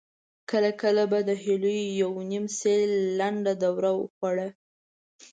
کله کله به د هيليو يوه نيم سېل لنډه دوره وخوړه.